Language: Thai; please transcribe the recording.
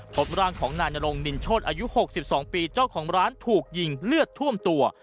พบร่างของนายนรงนินโชธอายุ๖๒ปีเจ้าของร้านถูกยิงเลือดท่วมตัว